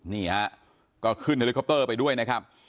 นี่ฮะก็ขึ้นเฮลิคอปเตอร์ไปด้วยนะครับ